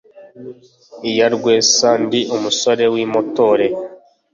iyarwesa ndi umusore w'impotore